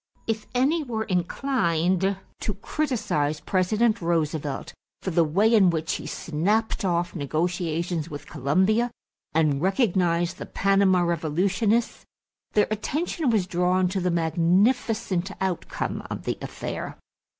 If any were inclined to criticize President Roosevelt for the way in which he snapped off negotiations with Colombia and recognized the Panama revolutionists, their attention was drawn to the magnificent outcome of the affair.